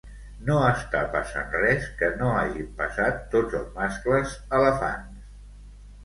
No estàs passant res que no hagin passat tots els mascles elefants.